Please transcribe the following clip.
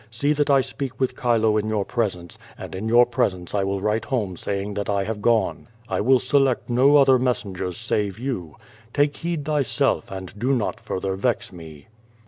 See that I speak with Chilo in your presence, and in your presence I will write home saying that I have gone. I will select no other messengers save you. Take heed thyself, and do not further vex me.